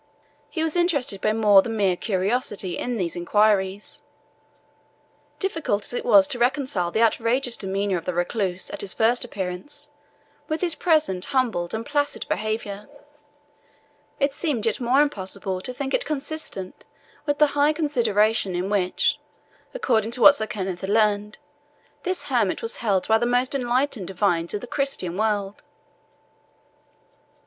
He was interested by more than mere curiosity in these inquiries. Difficult as it was to reconcile the outrageous demeanour of the recluse at his first appearance with his present humble and placid behaviour, it seemed yet more impossible to think it consistent with the high consideration in which, according to what Sir Kenneth had learned, this hermit was held by the most enlightened divines of the Christian world.